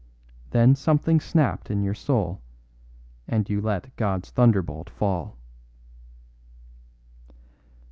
Then something snapped in your soul, and you let God's thunderbolt fall."